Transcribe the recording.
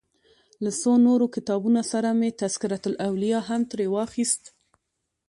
له څو نورو کتابونو سره مې تذکرة الاولیا هم ترې واخیست.